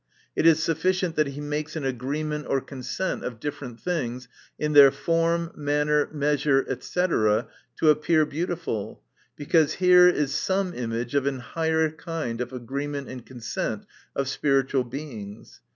It is sufficient that he makes an agreement or consent of different things, in their form, manner, measure, &c, to appear beautiful, because here is some image of a higher kind of agreement and consent of spiritual Beings.